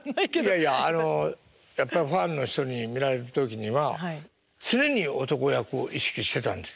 いやいやあのやっぱりファンの人に見られる時には常に男役を意識してたんでしょ？